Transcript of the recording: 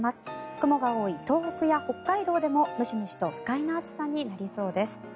雲が多い東北や北海道でもムシムシと不快な暑さになりそうです。